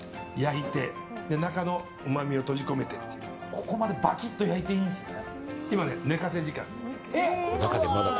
ここまでばきっと焼いていいんですね。